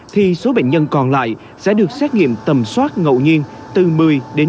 thì số bệnh nhân còn lại sẽ được xét nghiệm tầm soát ngậu nhiên từ một mươi đến ba mươi